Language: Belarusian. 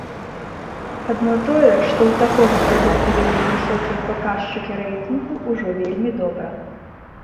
Адно тое, што ў такога прадукта вельмі высокія паказчыкі рэйтынгу, ужо вельмі добра.